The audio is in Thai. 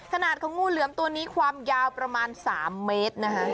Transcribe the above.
ขนาดของงูเหลือมตัวนี้ความยาวประมาณ๓เมตรนะคะ